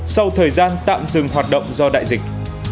sau thời gian tạm dừng hoạt động do đại dịch